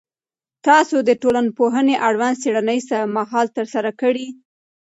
تاسو د ټولنپوهنې اړوند څېړنې څه مهال ترسره کړي؟